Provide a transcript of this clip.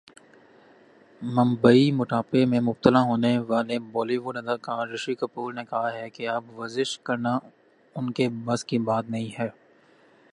ممبئی موٹاپے میں مبتلا ہونے والے بالی ووڈ اداکار رشی کپور نے کہا ہے کہ اب ورزش کرنا انکے بس کی بات نہیں ہے